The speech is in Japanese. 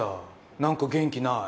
なんか元気ない。